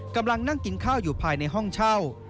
กำลังนั่งกินข้าวอยู่ภายในห้องเช่า